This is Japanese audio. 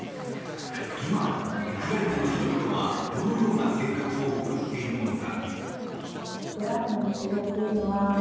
今、ウクライナの人々はどのような生活を送っているのか。